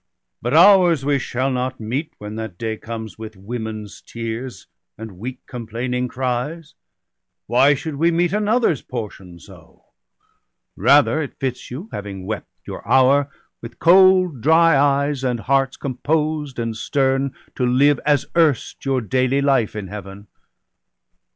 But ours we shall not meet, when that day comes, With women's tears and weak complaining cries — Why should we meet another's portion so ? Rather it fits you, having wept your hour. With cold dry eyes, and hearts composed and stern, To live, as erst, your daily life in Heaven.